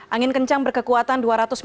angin kencang berkekuatan